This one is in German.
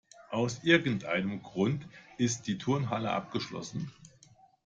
Aus irgendeinem Grund ist die Turnhalle abgeschlossen.